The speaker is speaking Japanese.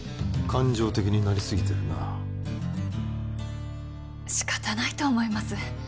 感情的になりすぎてるな仕方ないと思います